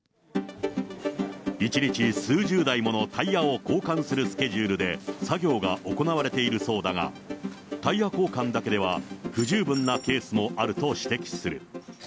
一日数十台ものタイヤを交換するスケジュールで作業が行われているそうだが、タイヤ交換だけでは不十分なケースもあると指摘